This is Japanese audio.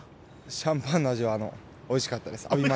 シャンパンの味はおいしかったです。